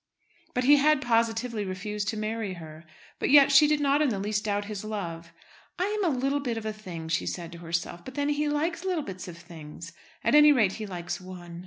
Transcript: But he had positively refused to marry her! But yet she did not in the least doubt his love. "I'm a little bit of a thing," she said to herself; "but then he likes little bits of things. At any rate, he likes one."